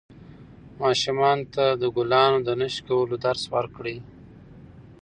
ماشومانو ته د ګلانو د نه شکولو درس ورکړئ.